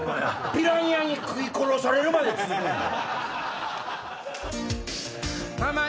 ピラニアに食い殺されるまで続くねんで。